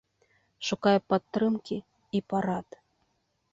Шукае падтрымкі і парад.